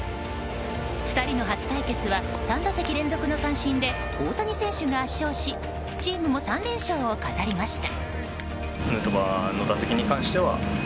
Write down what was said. ２人の初対決は３打席連続の三振で大谷選手が圧勝しチームも３連勝を飾りました。